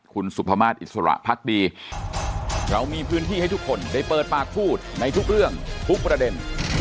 คุณสุภามาศอิสระพักดีเรามีพื้นที่ให้ทุกคนได้เปิดปากพูดในทุกเรื่องทุกประเด็น